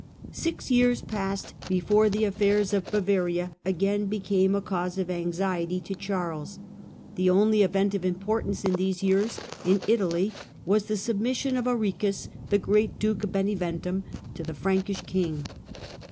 Fail of Six years passed before the affairs of Bavaria again 787*788 became a cause of anxiety to Charles. The only event of importance in these years, in Italy, was the sub mission of Arichis, the great Duke of Beneventum, to the Frankish king.